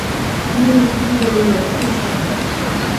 দুই বন্ধু বলিল, ঠিক কথা।